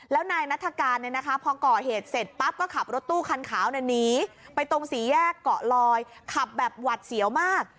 แล้วนายนัฐกาลพอก่อเหตุเสร็จปั๊บก็ขับรถตู้คันขาวหนีไปตรงสี่แยกเกาะลอยขับแบบหวัดเสียวมาก